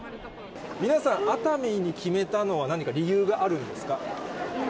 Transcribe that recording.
皆さん、熱海に決めたのは何か理由があるんですか？